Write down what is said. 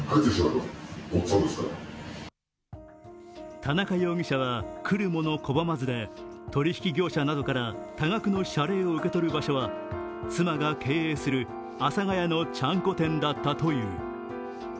田中容疑者は来る者拒まずで取引業者などから多額の謝礼を受け取る場所は妻が経営する阿佐ヶ谷のちゃんこ店だったという。